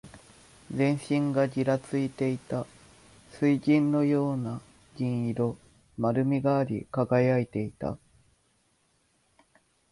全身がぎらついていた。水銀のような銀色。丸みがあり、輝いていた。